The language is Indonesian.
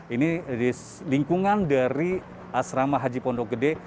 ini lingkungan dari asrama haji pondok gede